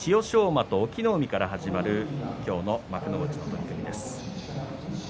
馬と隠岐の海から始まる今日の幕内の取組です。